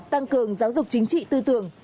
tăng cường giáo dục chính trị tư tưởng